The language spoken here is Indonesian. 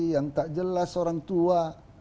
yang tak jelas orang tua